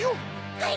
はい！